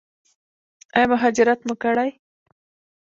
ایا مهاجرت مو کړی؟